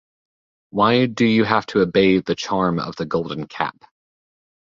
Why do you have to obey the charm of the Golden Cap?